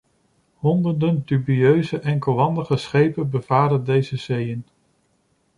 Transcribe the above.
Honderden dubieuze enkelwandige schepen bevaren deze zeeën.